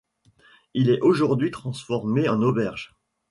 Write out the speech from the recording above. Il est aujourd'hui transformé en auberge.